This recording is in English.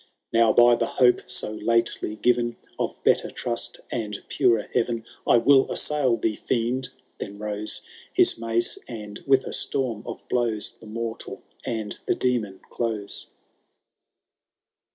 —" Now, by the hope so lately given Of better trust and purer heaven, I will assail thee, tiend !"— ^Then rose His mace, and with a storm of blows The mortal and the Demon close.